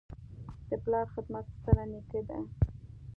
د پلار خدمت ستره نیکي ده.